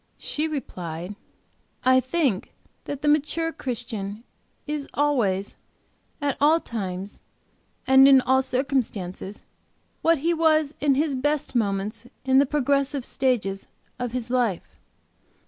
She replied, "I think that the mature Christian is always, at all times, and in all circumstances, what he was in his best moments in the progressive stages of his life.